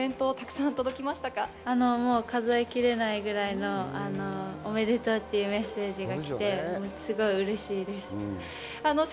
数え切れないくらいのおめでとうというメッセージが来て、すごく嬉しいです。